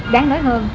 đáng nói hơn